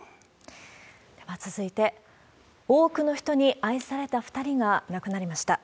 続いて、多くの人に愛された２人が亡くなりました。